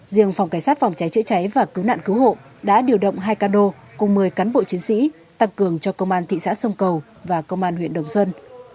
riêng phòng cảnh sát phòng cháy chữa cháy và cứu nạn cứu hộ đã điều động hai cano cùng một mươi cán bộ chiến sĩ tăng cường cho công an thị xã sông cầu và công an huyện đồng xuân